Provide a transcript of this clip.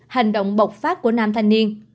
hành động bộc phát của nam thanh niên